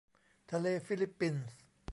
ทะเลฟิลิปปิน